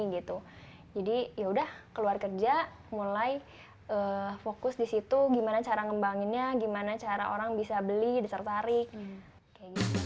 jadi saya keluar kerja fokus di situ bagaimana cara mengembangkannya bagaimana cara orang bisa beli tertarik